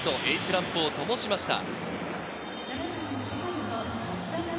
Ｈランプをともしました。